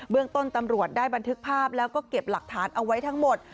เรื่องต้นตำรวจได้บันทึกภาพแล้วก็เก็บหลักฐานเอาไว้ทั้งหมด